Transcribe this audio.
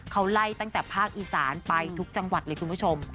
เขาไล่ตั้งแต่ภาคอีสานไปทุกจังหวัดเลยคุณผู้ชม